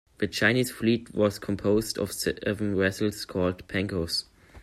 The Chinese fleet was composed of seven vessels called "pancos".